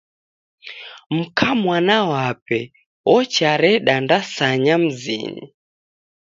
Mka mwana wape ochareda ndasanya mzinyi.